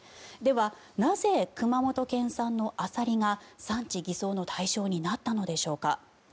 では、なぜ熊本県産のアサリが産地偽装の対象になったのでしょうか。